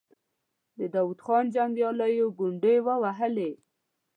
د داود خان جنګياليو ګونډې ووهلې.